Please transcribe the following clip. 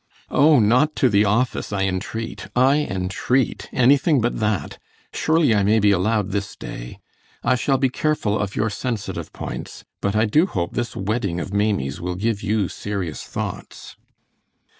"Oh, not to the office, I entreat! I entreat! Anything but that! Surely I may be allowed this day! I shall be careful of your sensitive points, but I do hope this wedding of Maimie's will give you serious thoughts."